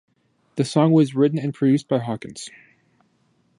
The song was written and produced by Hawkins.